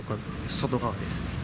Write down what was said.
外側ですね。